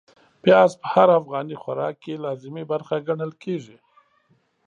پياز په هر افغاني خوراک کې لازمي برخه ګڼل کېږي.